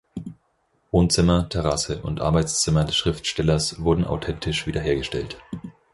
Wohnzimmer, Terrasse und Arbeitszimmer des Schriftstellers wurden authentisch wiederhergestellt.